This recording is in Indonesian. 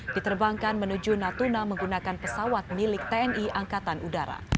diterbangkan menuju natuna menggunakan pesawat milik tni angkatan udara